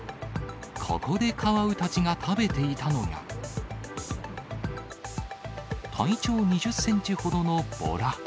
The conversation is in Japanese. ここでカワウたちが食べていたのが、体長２０センチほどのボラ。